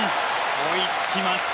追いつきました。